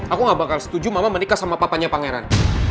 aku gak bakal setuju mama menikah sama papanya pangeran